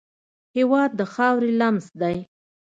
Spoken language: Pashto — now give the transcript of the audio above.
هېواد د خاورې لمس دی.